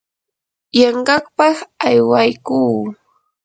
yanqapaq aywaykuu.